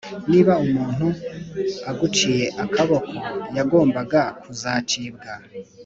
niba umuntu aguciye akaboko yagombaga kuzacibwa